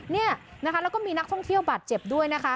เนี่ยนะคะแล้วก็มีนักท่องเที่ยวบาดเจ็บด้วยนะคะ